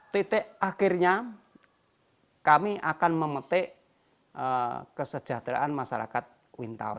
titik akhirnya kami akan memetik kesejahteraan masyarakat wintau